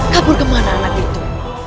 kabur kemana anak itu